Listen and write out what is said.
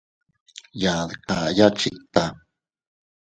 Yaa dkayya chikta.